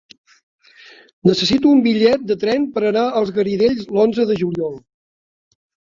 Necessito un bitllet de tren per anar als Garidells l'onze de juliol.